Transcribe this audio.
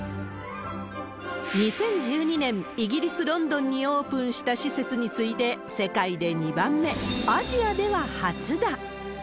２０１２年、イギリス・ロンドンにオープンした施設に次いで、世界で２番目、アジアでは初だ。